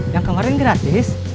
yang kemarin gratis